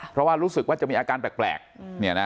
เพราะว่ารู้สึกว่าจะมีอาการแปลก